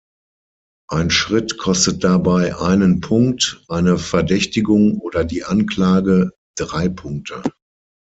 Ein Schritt kostet dabei einen Punkt, eine Verdächtigung oder die Anklage drei Punkte.